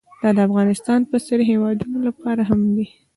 دا د افغانستان په څېر هېوادونو لپاره هم دی.